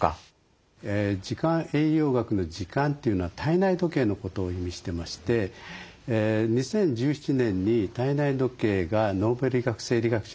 時間栄養学の「時間」というのは体内時計のことを意味してまして２０１７年に体内時計がノーベル医学・生理学賞になりましたよね。